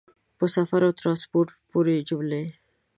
په سفر او ټرانسپورټ پورې جملې